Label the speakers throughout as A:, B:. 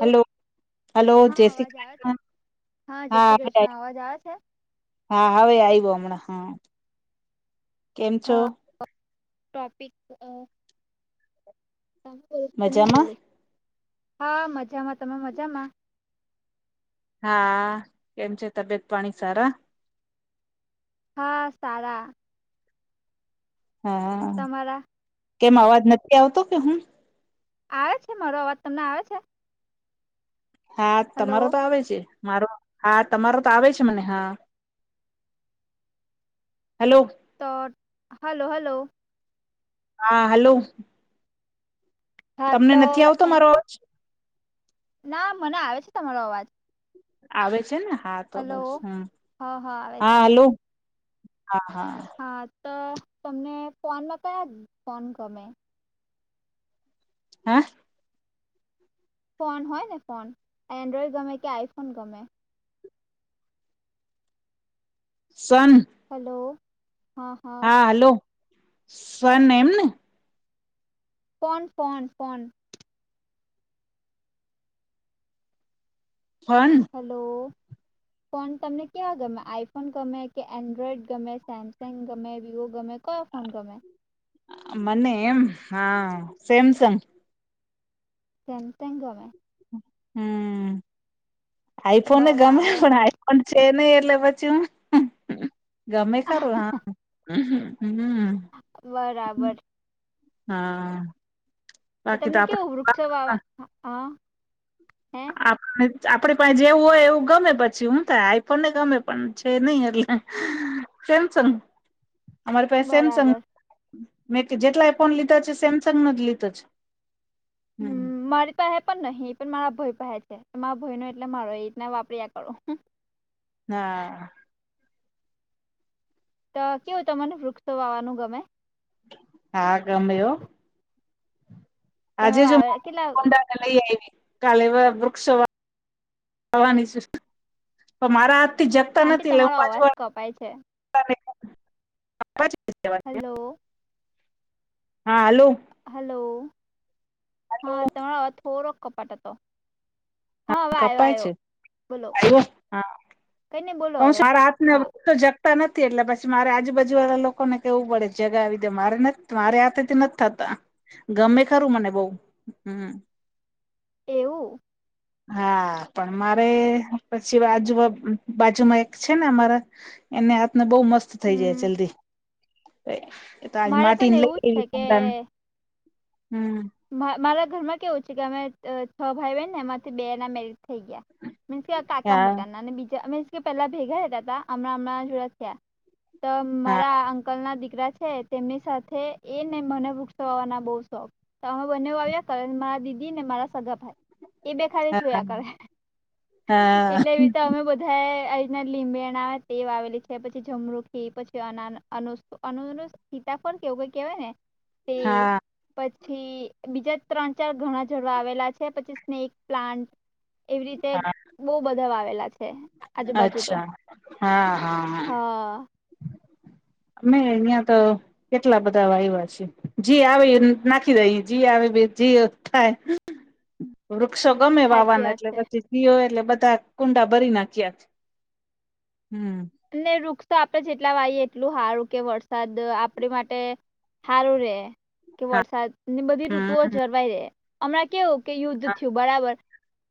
A: Hello hello
B: હા
A: જય શ્રી
B: અવાજ આવે છે
A: કૃષ્ણ
B: જય
A: હા
B: શ્રી કૃષ્ણ અવાજ આવે છે
A: હા હવે આવ્યો હમણાં હા કેમ છો.
B: હા ટોપિક મે
A: મજામાં
B: બો હા મજામાં તમે મજામાં
A: હા કેમ છે તબિયત પાણી સારા
B: હા સારા
A: હા
B: તમારા
A: કેમ અવાજ નથી આવતો કે હું
B: આવે છે મારો અવાજ તમને આવે છે
A: હા
B: હલો
A: તમારો તો આવે છે મારો હા તમારો તો આવે છે મને હા હેલો
B: તો હલો હલો
A: હા હલો
B: હા
A: તમને
B: તો
A: નથી આવતો
B: એમ
A: મારો અવાજ
B: ના મને આવે છે તમારો અવાજ
A: આવે છે ને હા તો
B: હલો
A: બસ હમ
B: હા આવે છે
A: હા
B: આવે છે
A: હાલું હા હા
B: હા તો તમને ફોનમાં કયા ફોન ગમે
A: હા
B: ફોન હોને ફોન એન્ડ્રયડ ગમે કે આઈફોન ગમે
A: સાવન
B: હલો
A: હા, હલો સ્વને એમને.
B: ફોન ફોન ફોન
A: હન
B: હલો ફોન તમને ક્યાં ગમે? આઈફોન ગમે કે એન્ડ્રોઇડ ગમે સેમસેમ ગમે કે વીવો ગમે ફોન ગેમ
A: મને એમ હા સેમસંગ
B: સમતા ગમે
A: હમ આઈફોનને ગમે
B: બરાબર
A: પણ આઈફોન પણ છે નહી એટલે પછી હું ગમે ખરું હમ
B: બરાબર,
A: હા, બાકી તો
B: તમને
A: આપડ
B: કેવું વૃક્ષો વાવો હ,
A: આપ આપડુ પાસે જેવું હોય એવું ગમે પછી હું થાય, આપણ ને ગમે પણ છે, નઈ એટલે.
B: [unintelligible] [inaudible]
A: સેમસંગ,
B: [unintelligible] [inaudible]
A: અમારે પાસે સેમસંગ
B: બરાબર
A: મેં જેટલા ફોન લીધા છે, સેમસંગનો જ લીધો છે.
B: હું
A: હમ
B: માળી. પાહે પણ નહીં એ પણ મારા ભય પહે છે, મારા ભાઈ નો એટલે મારો એ રીતના વાપર્યા કરો.
A: હા,
B: તો કેવું તમને વૃક્ષો વાવાનું ગમે.
A: હા ગમે હો.
B: તમે
A: આજે જો
B: વાવે કેટલા
A: મારા ડા લઈ આયવી કાલે વ વૃક્ષો વા વાની છે પણ મારા હાથથી જગતા
B: આંટી
A: નથી એટલે
B: તમારો
A: હું
B: અવાજ કપાય છે
A: બાજુવાળા [inaudible]
B: હલો
A: હા, હાલો.
B: હાલો, હા તમારો થોડોક કપાટ હતો. હવે
A: હા
B: આવ્યો
A: કપાય
B: આવ્યો
A: છે,
B: બોલો
A: આવો હા.
B: કઈ નઈ બોલો
A: કવ
B: હવે
A: સારા હાથ
B: હા
A: તોજ, તો નથી એટલે પછી મારે આજુબાજુ વાળા લોકોને કેવું પડે જગાવ દે મારે મારે હાથ નથી થતા, ગમે ખરું મને બઉ હું.
B: એવું!
A: હા, પણ મારે પછી વાજુમા બાજુમાં એક છે ને અમારા. એમને હાથના બહુ મસ્ત થઈ જાય
B: હમ
A: જલ્દી. એતો આજ
B: મારે પણ
A: માટીને લઈ
B: એવું જ છે
A: ગઈ
B: કે
A: કુન્ડાને.
B: મારા ઘરમાં કેવું છે કે અમે ત છ ભાઈ બહેન ને એમાંથી બેના મેરજ થઈ ગયા. મીન્સ કે કાકા
A: હા
B: મોટાના અને બીજા મેન્સ કે પેલા ભેગા રેહતા તાં હમણાં અમણા જુદા થયાં. તો
A: હા
B: મારા અંકલના દીકરા છે. તેમની સાથે એને મને વૃક્ષ વાવાના બહુ શોખ. તો અમે બંને વાવ્યા કરે મારા દીદી ને મારા સગા ભાઈ. એ બે ખાલી
A: હા
B: જોયા કરે
A: હા
B: એટલે એવી રીતે અમે બધું ધાએ આવી રીતના લીંબેણા ને તે વાવેલી છે પછી જમરુખી પછી અના અનુ અનુનુસ. સીતાફળ કે એવું કંઈક કેવાય ને તે.
A: હા
B: પછી બીજા ત્રણ ચાર ઘણા છોડ વાવેલા છે પછી સ્નેક પ્લાન્ટ. એવી રીતે
A: હા
B: બઉ બધા વાવેલા છે આજુબાજુ તો.
A: અચ્છા હા હા હમ્મ.
B: હા
A: અમે અહીયાં તો કેટલા બધા વાયવા છે જી આવે નાખી દયે જી આવે બી જી થાય.
B: [unintelligible] [inaudible]
A: વૃક્ષો ગમે
B: સાચી
A: વાવવાના
B: વાત
A: એટલે
B: છે
A: પછી કીયો એટલે બધા કુંડા ભરી નાખ્યા હમ્મ.
B: ને વૃક્ષો આપણે જેટલા વાઈએ એટલું હારું કે વરસાદ આપણી માટે હારું રે કે વરસાદ બધી ઋતુઓ
A: હમ
B: જરવાઈ રે, હમણાં કેવું કે યુદ્ધ થયું બરાબર.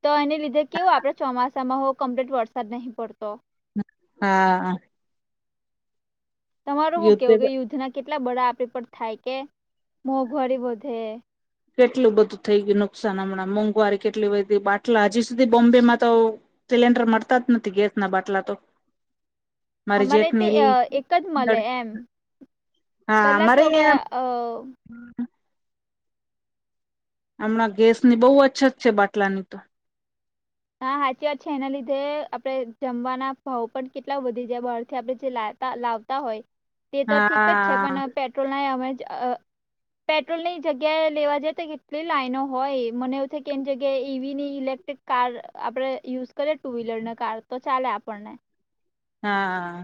B: તો એને લીધે કેવું આપણે ચોમાસામાં હો કમ્પ્લીટ વરસાદ નહીં પડતો.
A: હા.
B: તમારું હું
A: યુદ્ધ
B: કેવું કે યુદ્ધના કેટલા બડા આપડી પર થાય કે મોંઘવારી વધે.
A: કેટલું બધું થઈ ગયું નુકસાન હમણાં મોંઘવારી કેટલી બી બાટલા હજી સુધી બોમ્બે માંતો સિલિન્ડર મળતા જ નથી ગેસના બાટલા તો. મારી
B: અમારે
A: જેઠની
B: તેય એક જ મલે એમ. પહેલા કેવું કે અ
A: હ. હમણાં ગેસની બહુ અછત છે બાટલાની તો.
B: હા હાચી વાત છે એના લીધે આપણે જમવાના ભાવ પણ કેટલા વધી જાય બહારથી આપણે જે લાતા લાવતાં તા હોય તે તો ઠીક જ છે
A: હા
B: પણ પેટ્રોલના અવે જે અ પેટ્રોલની જગ્યાએ લેવા જઈએ તો કેટલી લાઈનો હોય મને એવું થાય કે એન જગ્યાએ ઈ વીની ઈલેક ટિક કાર આપણે યુઝ કરીએ ટુ વ્હીલરને કાર તો ચાલે આપણને.
A: હા.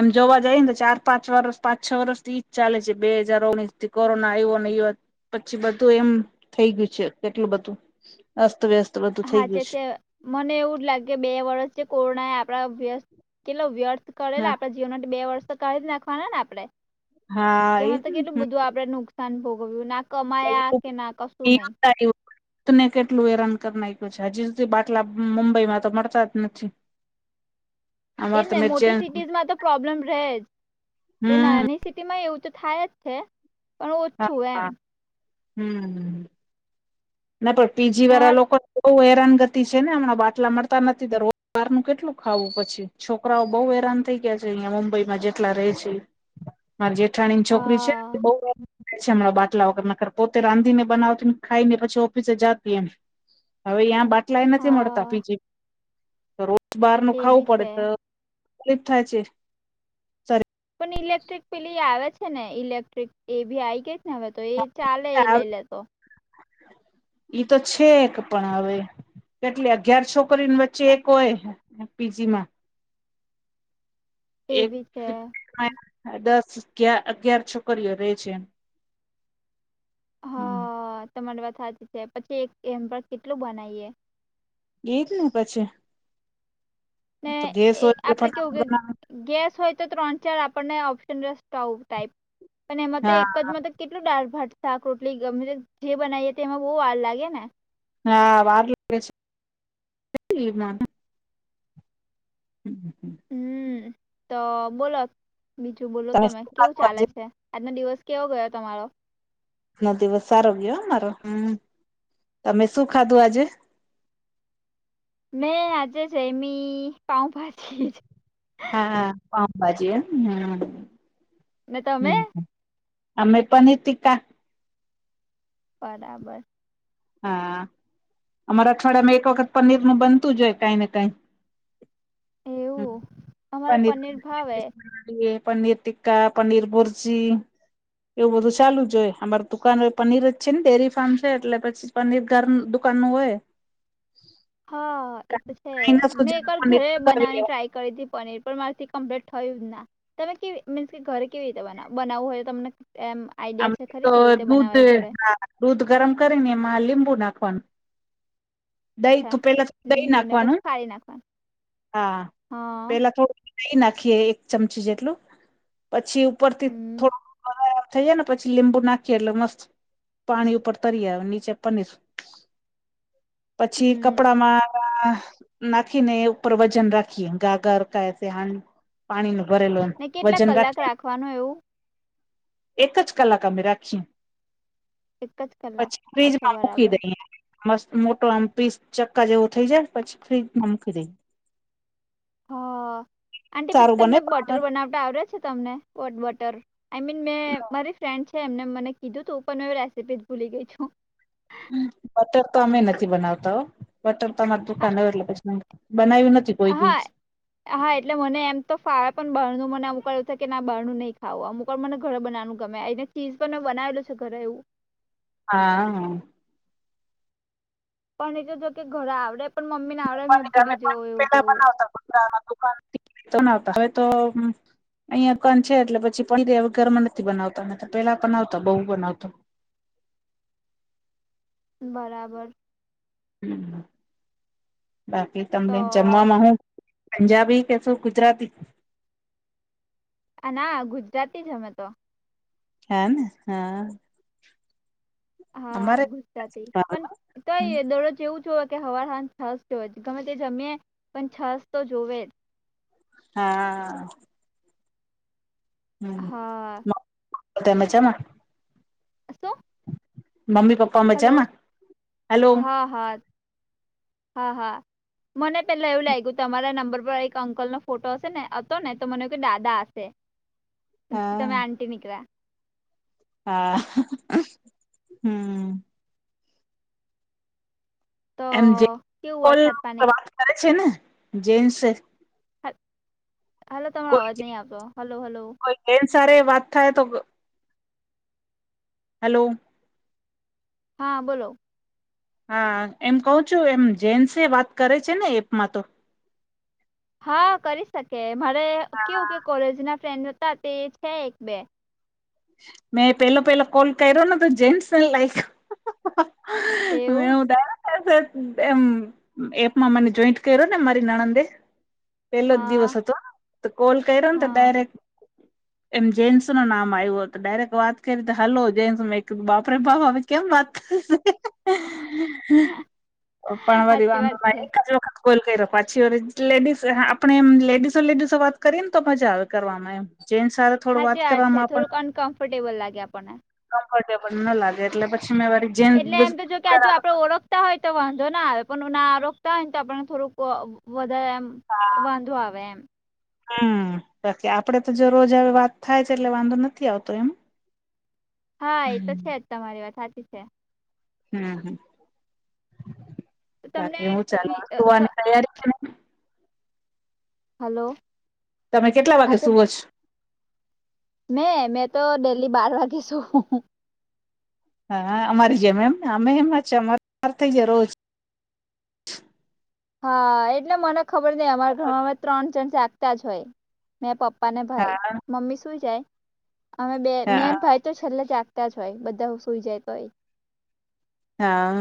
A: એમ જોવા જાઈને ચાર પાંચ વર્ષ પાંચ છ વર્ષથી ઈ જ ચાલે છે બે હાજાર ઓગણીસથી કોરોના આવ્યો ને ઈ પછી બધું એમ થઈ ગયું છે કેટલું બધું. અસ્ત વ્યસ્ત થઈ
B: હાચ
A: ગયું
B: છે મને એવું જ લાગે બે વર્ષ જે કોરોના એ આપણા વ્યસ્ત કેટલો વ્યર્થ કરેલો આપડે જીવન બે વર્ષ તો કાઢી નાખવાના ને આપડે
A: હા હા એ
B: કેમાં તો કેટલું બધું આપડે નુકસાન ભોગવ્યું ના કમાયા કે ના કશું નહી.
A: ને કેટલું હેરાન કરી નાયખુ છે હજી સુધી બાટલા મુંબઈમાં તો મળતાં જ નથી.
B: [inaudible] એ
A: અમારે
B: જ
A: તો
B: ને
A: મે
B: મોટી સિટીઝમાં તો પ્રોબ્લેમ રે જ તે
A: હમ
B: નાની સિટીમાં એવું તો થાય જ. હે?
A: હા હા હમ્મ. ના પણ પીજીવાળા
B: અમાર
A: લોકો બહુ હેરાનગતિ છે ને હમણાં બાટલા મળતા નથી દર બરનું કેટલું ખાવું પછી છોકરાઓ બઉ હેરાન થઈ ગયા છે અહિયાયા મુંબઈમાં જેટલા રે છે.
B: [inaudible]
A: માર જેઠાણી ની છોકરી છે,
B: હા
A: બ હમણાં બાટલા વગર ન ખર પોતે રાંધી ને બનાવતીને ખાઈ ને પછી ઓફિસે જતી એમ હવે અયાં બાટલાય નથી મળતા
B: હા
A: પીજી બહાર ન
B: એ
A: ખાવું
B: બી
A: પડે
B: છે
A: તો તકલીફ થાય છે.
B: પણ ઈલેક્ટ્રિક પેલી આવે છે ને ઇલેક્ટ્રિક એ બી આ ગઈ હવે તો એ ચાલે એ લઈ લેતો.
A: ઈ તો છે એક પણ હવે કેટલી અગિયાર છોક. છોકરી વચ્ચે એક
B: પણ
A: હોય પીજી માં
B: એ
A: એક
B: બી છે
A: દસ અગિયાર છોકરીઓ રે છે, એમ
B: હા તમારી વાત સાચી છે પછી એક એમ પણ કેટલું બનાવીએ
A: એજ ને પછી
B: ને
A: તો ગેસ
B: એ
A: હોય એટલે
B: આપડે
A: ફટાફટ
B: કેવું કે
A: બનાવે
B: ગેસ હોય તો ત્રણ ચાર આપણને ઓપ્શન સ્ટોવ ટાઈપ પણ એમાં તો
A: હા
B: એક જ મ કેટલું દાળ ભાત શાક રોટલી જે બનાવીએ તે એમાં બહુ વાર લાગે ને
A: હા વાર લાગે છે. હમ હમ
B: હમ તો બોલો બીજું બોલો તમે
A: શું
B: કેવું
A: ખાધું
B: ચાલે
A: આજે
B: છે. આજનો દિવસ કેવો ગયો તમારો
A: ના દિવસ સારો ગયો મારો હમ તમે શું ખાધું આજે
B: મેં આજે જ એમી પાઉ ભાજી
A: હા પાઉભાજી હમ
B: ને
A: હમ
B: તમે
A: હમ આમે પનીર ટીકા
B: બરાબર
A: હા અમારે અઠવાડિયા માં એક વખત પનીર નું બનતું હોય કાઈ ને કાંઈ હ
B: એવું અમારે પનીર ભાવે
A: પી પનીર ટીક્કા પનીર ભૂર્જી એવું બધું ચાલુ જ જોઈએ અમાર દુકાન પનીર જ છે ને ડેરી ફાર્મ છે, એટલે પછી પનીર તગર દુકાન ન હોય.
B: હા એ તો છે મેં એક વાર
A: પનીર
B: ઘરે
A: મંગાવી
B: બનાવવાની
A: લેવાનું
B: ટ્રાય કરી પનીર પણ મારીથી કમ્પ્લીટ થયું જ ના તમે કેવી મીન્સ કે ઘરે કેવી રીતે બનાવવું હોય તો તમને એમ
A: આમ
B: આઈડિયા છે
A: તો
B: ખરી કેવી રીતે
A: દૂધ
B: બનાવાય ઘરે
A: હા દૂધ ગરમ કરીને એમાં લીંબુ નાખવાનું દહી
B: અચ્છા
A: તું પેલા થ દહી
B: લીંબુને
A: નાખવાનું
B: પછી ફાળી નાખવાનું
A: હા
B: હા
A: પેલા થોડુ. દહીં નાખીએ એક ચમચી જેટલું પછી ઉપરથી
B: હમ
A: થોડુ થઈ ને પછી લીંબુ નાખીએ એટલે મસ્ત પાણી ઉપર તરી નીચે પનીર પછી
B: હમ
A: કપડામાં નાખીને ઉપર વજન રાખીએ ગાગર કે છે, હાણી પાણી નું ભરેલું વજન રાખે.
B: શીખવાનું એવુ
A: એક જ કલાક અમે રાખી
B: એક જ કલાક
A: પછી
B: અચ્છા
A: ફ્રીજમાં મૂકી
B: બરાબર
A: દઈએ મસ્ત મોટો આમ પીસ ચક્કા જેવું થઇ જાય પછી ફ્રીજમાં મૂકી દઈ
B: હહ આંટી પછી
A: સારું
B: તમને
A: બને
B: બટર
A: પણ
B: બનાવતા આવડે છે, તમને વોટ બટર આઈ મીન મેં મારી ફ્રેન્ડ છે એમને મને કીધું તું પણ રેસીપી જ ભૂલી ગઈ છુ.
A: હ બટર તો અમે નથી બનાવતા હો બટર તો અમાર
B: હા
A: દુખાન નય એટલે પછી બનાવ્યું નથી. કોઈ
B: હા
A: દિવસ
B: હા એટલે મને એમ તો ફાવે પણ બારણું મને આમ કહ્યું છે કે બહાર નું નહીં ખાવું અમુક પણ મને ઘરે બનાવાનું ગમે એને ચીઝ પણ મેં બનાવેલું છે ઘરે એવુ
A: હા
B: પણ ની તો જો કે ઘરે આવડે પણ મમ્મી ને આવડે મેં ભૂલી જઉં એવું તેવુ
A: તો ન આવતા હવે તો અહિયાં કન છે એટલે પછી પ ઘરમાં નથી બનાવતા તો પેલા પણનાવતા બહુ બનાવતો
B: બરાબર
A: હમ બાકી
B: તો
A: તમને જમવામાં હુ. પંજાબી કેસો ગુજરાતી
B: અને ના ગુજરાતી જ અમે તો
A: હને હા
B: હા
A: અમારે
B: ગુસ્સાથી પણ તોય દરોજેવું જો કે હવા હ છસ જોવે ગમે તે જમએ પણ છસ તો જોવે જ
A: હા
B: હા
A: હમમે મજા માં
B: અ શું
A: મમ્મી પપ્પા
B: હલો
A: મજામાં હલો.
B: હા હા હા હા મને પેલા એવું લાગ્યું તમારા નંબર પર એક અંકલનો ફોટો હશે ને હતો ને તો મને કે દાદા હશે પ
A: હા
B: તમે આંટી નીકળા
A: હા હમ્મ
B: તો કેવું વરસાદ પાણી
A: કર છે ને જીન્સ
B: હ હલો તમારો અવાજ નહીં આપતો હલો હલો
A: એ સારી વાત થાય તો હેલ્લો
B: હા બોલો
A: હા એમ કહ છું એમ જેન્સે વાત કરે છે ને એપમાં તો
B: હા કરી શકે મારે
A: હા
B: કેવું કે કોલેજ ના ફ્રેન્ડ હતા તે છે એક બે
A: મેં પેલો પેલો કોલ કર્યો ને તો જેન્સ ને લાગ્યો મેં
B: એવું
A: ઉઠાયો. એપ એપ એમ એપમાં મને જોઈન્ટ કર્યો ને મારી નણંદે પેલો જ
B: હા
A: દિવસ હતો તો કોલ કર્યો ને તો
B: હા
A: ડાયરેક્ટ એમ જેન્સ નું નામ આયું હતુ. તો દાયરેક ક વાત કરવી હલો જેન્સ મે કે બાપ રે બાપ હવે કેમ વાત કરવી હ પણ વારી
B: સાચી
A: વાંધો
B: વાત છે
A: માડી કાઢો કા કોલ કર્યો પાછી લેડીસ આપણે એમ લેડીસો લેડીસો વાત કરીએને તો મજા આવે કરવામાં એમ જેન્સ હારે થોડું
B: હાચી વાત છે,
A: કરવામાં
B: થોડુંક
A: આપણને
B: અનકમ્ફર્ટેબલ લાગે આપણને
A: કમ્ફર્ટેબલ ના લાગે એટલે પછી મેં વરી
B: એટલે એમ તો જો કે આજુ આપડે ઓળખ તા હોય તો વાંધો ના આવે પણ ના રોકતા હોય ને તો આપને થોડુંક વ વધારે એમ વાંધો આવે એમ
A: હમ બાકી આપડે તો જો રોજ આવી વાત થાય છે એટલે વાંધો નથી આવતો એમ-
B: હા એ તો
A: હમ
B: છે જ તમારી વાત હાચી છે.
A: હમ હમ
B: તો તમને
A: બાકી હું ચાલે
B: વી- અ, સ-
A: સુવાની તૈયારી છેને
B: હલો
A: તમે કેટલા વાગે
B: આજે
A: સુુવો છો?
B: મેં મેં તો દેલી બાર વાગે સૂવું.
A: હા અમારી જેમ એમ અમે એમજ અમાર થઈ જાય રોજ-
B: હા એટલે મને ખબર નઈ અમારા ઘરમાં અમે ત્રણ જણ જાગતા જ હોય. મેં પપ્પા ને ભાઈ
A: હા હા
B: મમ્મી સુઈ જાય અમે બે બેન
A: હા
B: ભાઈ- તો છેલ્લે જાગતા જ હોય બધા સુઈ જાય તોય તો-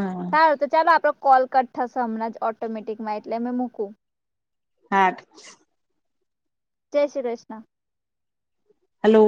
A: હા
B: સારું તો ચાલો આપડો કોલ કટ થશે હમણાં જ ઓ- ઓટોમેટિકમાં એટલે મેં મૂકું-
A: આઠ
B: જય શ્રી કૃષ્ણ.
A: હલો